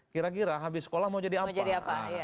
kira kira habis sekolah mau jadi apa